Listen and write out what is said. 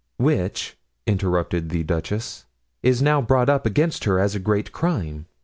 "Which," interrupted the duchess, "is now brought up against her as a great crime."